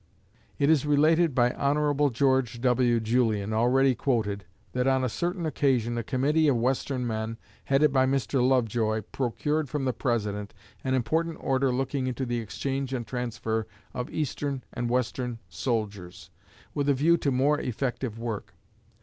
It is related by Hon. George W. Julian, already quoted, that on a certain occasion a committee of Western men, headed by Mr. Lovejoy, procured from the President an important order looking to the exchange and transfer of Eastern and Western soldiers, with a view to more effective work.